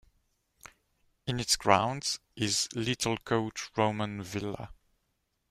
In its grounds is Littlecote Roman Villa.